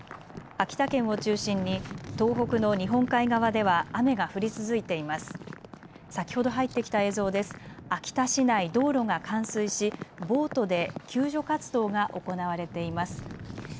秋田市内、道路が冠水しボートで救助活動が行われています。